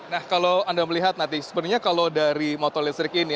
saya sudah melihat nanti sebenarnya kalau dari motor listrik ini